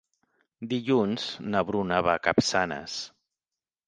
Dilluns na Bruna va a Capçanes.